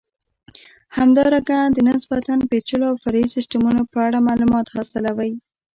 همدارنګه د نسبتا پېچلو او فرعي سیسټمونو په اړه معلومات حاصلوئ.